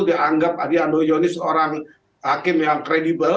dianggap adi ando yoni seorang hakim yang kredibel